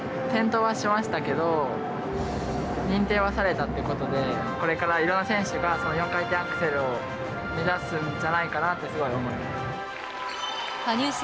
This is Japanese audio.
転倒はしましたけど、認定はされたということで、これからいろんな選手が、その４回転アクセルを目指すんじゃないかなってすごく思います。